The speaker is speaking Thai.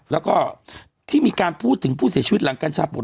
แล้วก็ที่มีการพูดถึงผู้เสียชีวิตหลังกัญชาปน